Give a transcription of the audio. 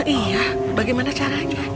iya bagaimana caranya